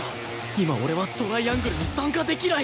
今俺はトライアングルに参加できない！